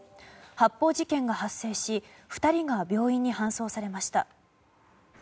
発砲事件が発生し２人が病院に搬送されました。